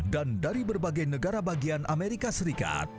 dan dari berbagai negara bagian amerika serikat